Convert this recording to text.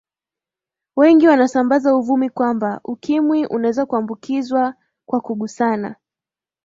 wengi wanasambaza uvumi kwamba ukimwi unaweza kuambukizwa kwa kugusana